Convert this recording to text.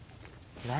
何？